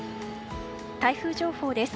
台風情報です。